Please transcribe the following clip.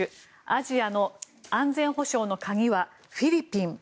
アジアの安全保障の鍵はフィリピン。